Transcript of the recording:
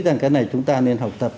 rằng cái này chúng ta nên học tập